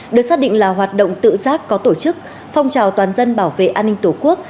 được xác định là hoạt động tự giác có tổ chức phong trào toàn dân bảo vệ an ninh tổ quốc